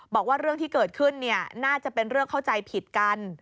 บอกว่าเรื่องที่เกิดขึ้นน่าจะเป็นเรื่องเข้าใจผิดกัน